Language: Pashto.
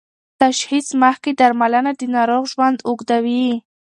تشخیص مخکې درملنه د ناروغ ژوند اوږدوي.